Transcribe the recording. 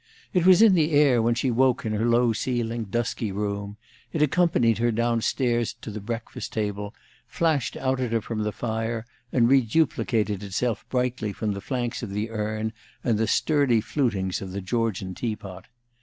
It was in the air when she woke in her low ceilinged, dusky room; it accompanied her down stairs to the breakfast table, flashed out at her from the fire, and re duplicated itself brightly from the flanks of the urn and the sturdy flutings of the Georgian teapot.